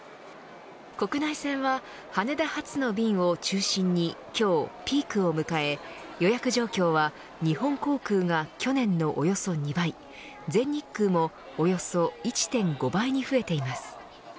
国内線は、羽田発の便を中心に今日ピークを迎え予約状況は日本航空が去年のおよそ２倍全日空もおよそ１．５倍に増えています。